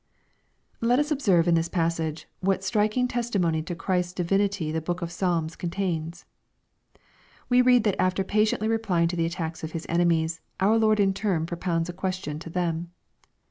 Let us observe in this passage, what striking testimony to Chrisfs divinity the booh of Psalms contains. We read that after patiently replying to the attacks of His enemies, our Lord in turn propounds a question to them.